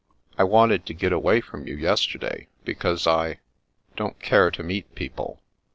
I wanted to get away from you yesterday, be cause I— don't care to meet people.